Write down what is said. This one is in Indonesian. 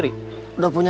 kami sudah muda makanya